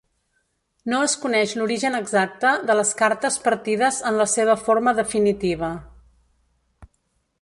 No es coneix l'origen exacte de les cartes partides en la seva forma definitiva.